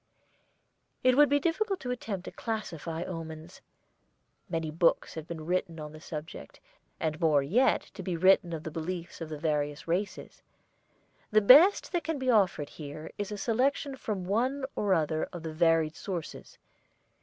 It would be difficult to attempt to classify omens. Many books have been written on the subject and more yet to be written of the beliefs of the various races. The best that can be offered here is a selection from one or other of the varied sources.